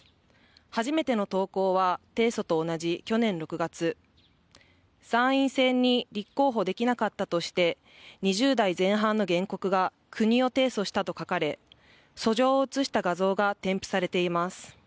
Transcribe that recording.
初めての投稿は、提訴と同じ去年６月参院選に立候補できなかったとして、２０代前半の原告が国を提訴したと書かれ、訴状を写した画像が添付されています。